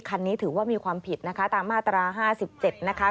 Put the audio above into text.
คันนี้ถือว่ามีความผิดตามมาตรา๕๗